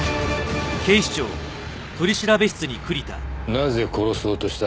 なぜ殺そうとした？